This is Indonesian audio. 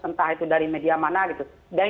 entah itu dari media mana gitu dan